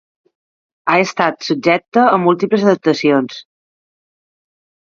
Ha estat subjecta a múltiples adaptacions.